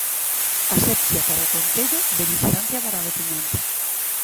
Asepsia para o Concello, belixerancia para a veciñanza.